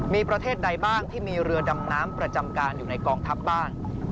มีประเทศใดบ้างที่มีเรือดำน้ำประจำการอยู่ในกองทัพบ้าง